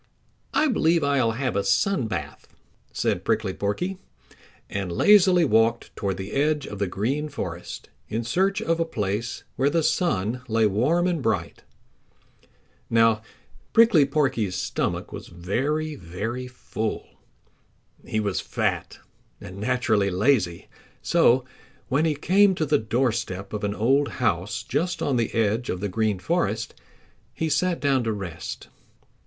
"I believe I'll have a sun bath," said Prickly Porky, and lazily walked toward the edge of the Green Forest in search of a place where the sun lay warm and bright. Now Prickly Porky's stomach was very, very full. He was fat and naturally lazy, so when he came to the doorstep of an old house just on the edge of the Green Forest he sat down to rest.